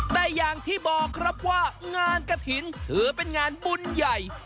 แต่อย่างที่บอกครับว่างานกระถิ่นถือเป็นงานบุญใหญ่